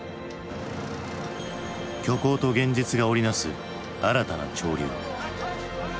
虚構と現実が織りなす新たな潮流。